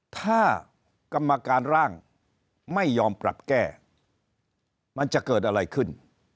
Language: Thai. ถ้ากรรมการร่างไม่ยอมปรับแก้มันจะเกิดอะไรขึ้น